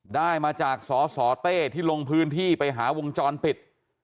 ได้มาจากสสเต้ที่ลงพื้นที่ไปหาวงจรปิด